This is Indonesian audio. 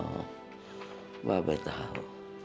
mbak be tahu